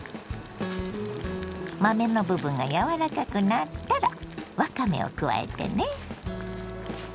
豆の部分が柔らかくなったらわかめを加えてね。